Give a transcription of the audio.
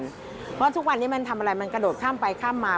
เพราะทุกวันนี้มันทำอะไรมันกระโดดข้ามไปข้ามมา